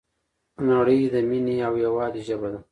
نړۍ د مینې او یووالي ژبه ده.